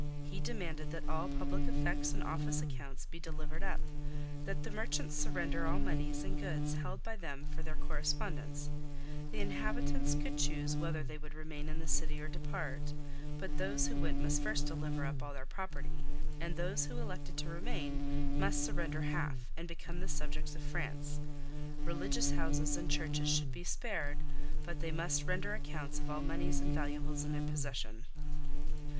He demanded that all public effects and office accounts be delivered up; that the merchants surrender all moneys and goods held by them for their correspondents; the inhabitants could choose whether they would remain in the city or depart; but those who went must first deliver up all their property, and those who elected to remain must surrender half, and become the subjects of France; religious houses and churches should be spared, but they must render accounts of all moneys and valuables in their possession.